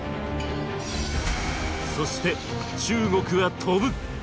そして中国は跳ぶ！